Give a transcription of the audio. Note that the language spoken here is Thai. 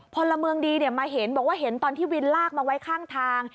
พลเมืองดีมาเห็นบอกว่าเห็นตอนที่วินลากมาไว้ข้างทาง